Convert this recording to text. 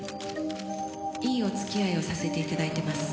「いいお付き合いをさせて頂いてます」